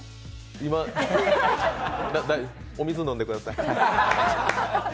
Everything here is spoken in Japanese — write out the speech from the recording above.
今、お水飲んでください。